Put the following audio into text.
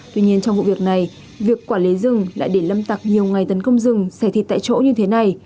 tuy nhiên trong vụ việc này việc quản lý rừng lại để lâm tặc nhiều ngày tấn công rừng xẻ thịt tại chỗ như thế này